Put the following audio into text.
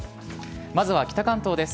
まずは北関東です。